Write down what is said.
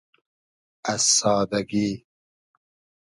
از سادئگی